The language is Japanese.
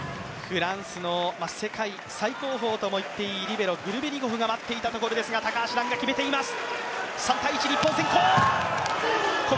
フランスの、世界最高峰ともいっていいリベロ、グルベニコフが待っていましたが高橋藍が決めています。